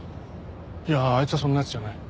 いやあいつはそんな奴じゃない。